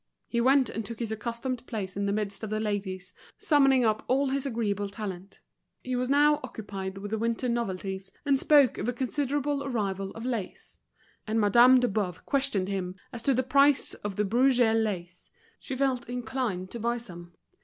He went and took his accustomed place in the midst of the ladies, summoning up all his agreeable talent. He was now occupied with the winter novelties, and spoke of a considerable arrival of lace; and Madame de Boves questioned him as to the price of Bruges lace: she felt inclined to buy some.